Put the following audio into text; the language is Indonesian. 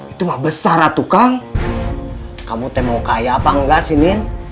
itu mah besar ratu kang kamu temo kaya apa enggak sinin